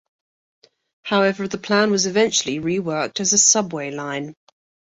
However, the plan was eventually reworked as a subway line.